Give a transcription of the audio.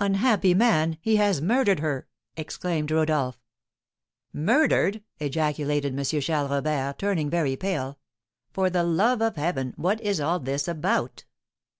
"Unhappy man! He has murdered her!" exclaimed Rodolph. "Murdered!" ejaculated M. Charles Robert, turning very pale; "for the love of Heaven, what is all this about?"